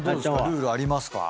ルールありますか？